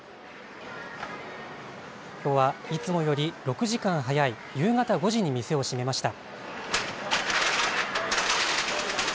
きょうはいつもより６時間早い夕方５時に店を閉めました。